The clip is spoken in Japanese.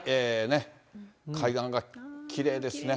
海岸がきれいですね。